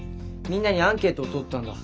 みんなにアンケートをとったんだ。